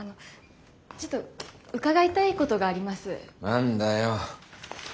何だよ。